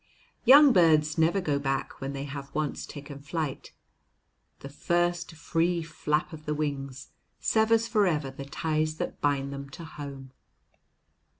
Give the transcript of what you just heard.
Young birds never go back when they have once taken flight. The first free flap of the wings severs forever the ties that bind them to home.